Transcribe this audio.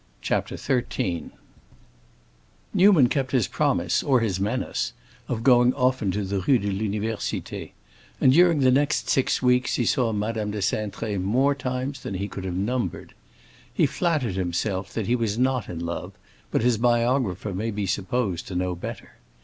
CHAPTER XIII Newman kept his promise, or his menace, of going often to the Rue de l'Université, and during the next six weeks he saw Madame de Cintré more times than he could have numbered. He flattered himself that he was not in love, but his biographer may be supposed to know better.